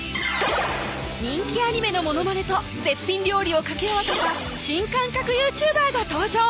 人気アニメのモノマネと絶品料理を掛け合わせた新感覚ＹｏｕＴｕｂｅｒが登場